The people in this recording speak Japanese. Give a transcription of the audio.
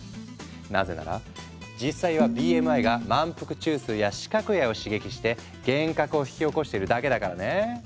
なぜなら実際はＢＭＩが満腹中枢や視覚野を刺激して幻覚を引き起こしてるだけだからね。